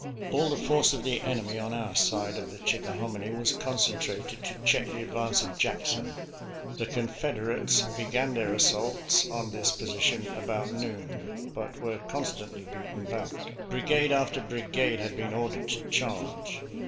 All the force of the enemy on our side of the Chickahominy was concentrated to check the advance of Jackson. The Confederates began their assaults on this position about noon, but were constantly beaten back. Brigade after bri gade had been ordered to charge.